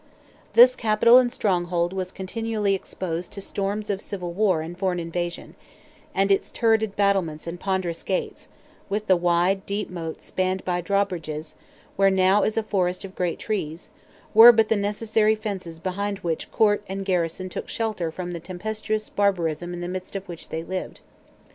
This capital and stronghold was continually exposed to storms of civil war and foreign invasion; and its turreted battlements and ponderous gates, with the wide deep moat spanned by drawbridges, where now is a forest of great trees, were but the necessary fences behind which court and garrison took shelter from the tempestuous barbarism in the midst of which they lived.